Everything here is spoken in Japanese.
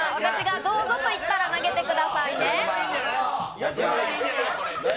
どうぞと言ったら投げてください。